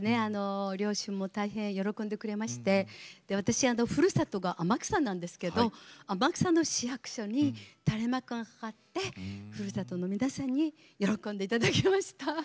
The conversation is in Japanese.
両親も大変喜んでくれまして私はふるさとが天草なんですけれども天草の市役所に垂れ幕が掛かってふるさとの皆さんに喜んでいただけました。